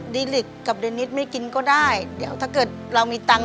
ดีลิกกับเดนิสไม่กินก็ได้เดี๋ยวถ้าเกิดเรามีตังค์